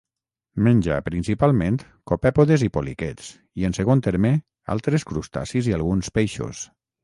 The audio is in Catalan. Menja, principalment, copèpodes i poliquets, i, en segon terme, altres crustacis i alguns peixos.